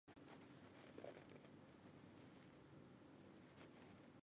立雪郡东兴郡